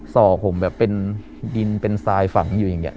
ส่อผมแบบเป็นดินเป็นทรายฝังอยู่อย่างนี้